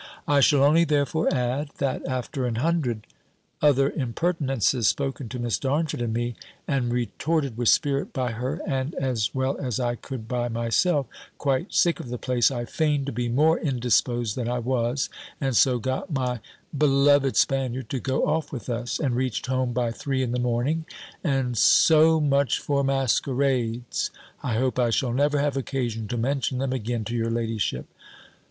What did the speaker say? I shall only therefore add, that after an hundred other impertinences spoken to Miss Darnford and me, and retorted with spirit by her, and as well as I could by myself, quite sick of the place, I feigned to be more indisposed than I was, and so got my beloved Spaniard to go off with us, and reached home by three in the morning. And so much for masquerades. I hope I shall never have occasion to mention them again to your ladyship.